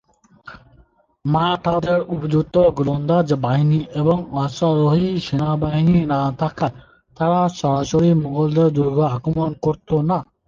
মারাঠাদের উপযুক্ত গোলন্দাজ বাহিনী এবং অশ্বারোহী সেনাবাহিনী না থাকায় তারা সরাসরি মুঘলদের দুর্গ আক্রমণ করত না।